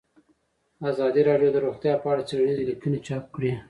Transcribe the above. ازادي راډیو د روغتیا په اړه څېړنیزې لیکنې چاپ کړي.